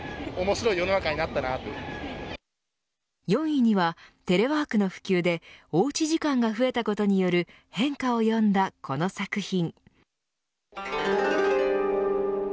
４位にはテレワークの普及でおうち時間が増えたことによる変化を詠んだこの作品。